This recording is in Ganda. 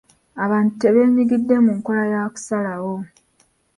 Abantu tebenyigidde mu nkola ya kusalawo.